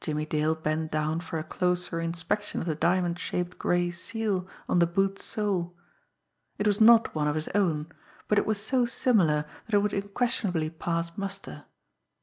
Jimmie Dale bent down for a closer inspection of the diamond shaped gray seal on the boot's sole. It was not one of his own; but it was so similar that it would unquestionably pass muster.